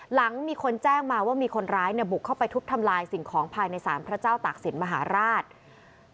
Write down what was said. หลังมีคนแจ้งมาว่ามีคนร้ายบุกเข้าไปทุบทำลายสิ่งของภายในศาลพระเจ้าตากศิลปมหาราช